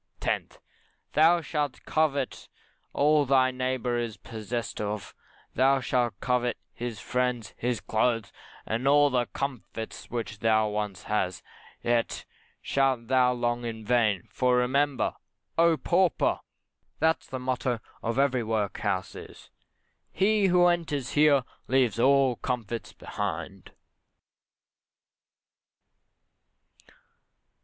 10th, Thou shalt covet all thy neighbour is possessed of, thou shalt covet his friends, his clothes, and all the comforts which thou once had; yet shalt thou long in vain; for remember, oh, pauper! that the motto of every workhouse is "He who enters here leaves all comforts behind."